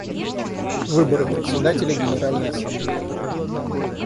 Выборы Председателя Генеральной Ассамблеи.